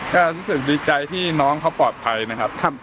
ก็รู้สึกดีใจที่น้องเขาปลอดภัยนะครับ